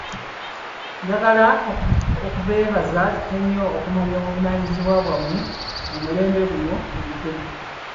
Njagala okubeebaza ennyo okumanya obuvunaanyizibwa bwammwe mu mulembe guno Omutebi.